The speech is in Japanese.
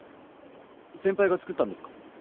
先輩が作ったんですか？